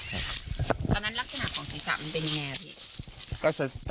ตอนนั้นลักษณะของศีรษะมันเป็นยังไงครับพี่